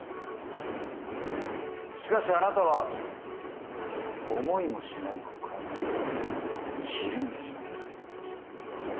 しかしあなたは思いもしない告白にひるんでしまった。